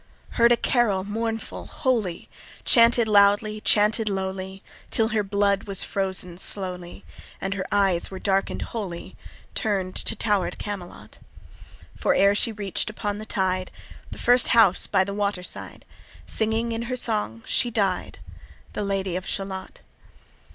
Heard a carol, mournful, holy, Chanted loudly, chanted lowly, Till her blood was frozen slowly, And her eyes were darken'd wholly, Turn'd to tower'd Camelot; For ere she reach'd upon the tide The first house by the water side, Singing in her song she died, The Lady of Shalott.